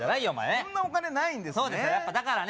そんなお金ないんですね